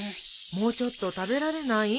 もうちょっと食べられない？